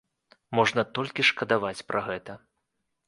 Можна толькі шкадаваць пра гэта.